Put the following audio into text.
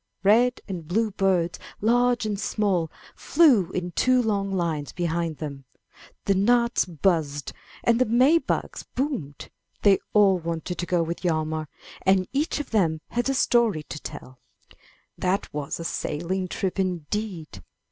Red and blue birds, large and small, flew in two long lines behind them; the gnats buzzed, and the may bugs boomed; they all wanted to go with Hjalmar, and each of them had a story to tell. 135 MY BOOK HOUSE That was a sailing trip indeed!